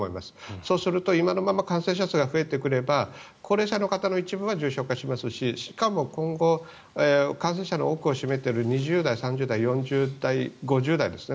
そうすると今のまま感染者が増えてくれば高齢者の方たちは重症化しますししかも今後感染者の多くを占めている２０代、３０代４０代、５０代ですね。